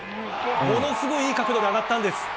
ものすごくいい角度で上がったんです。